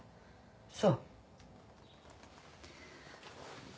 そう。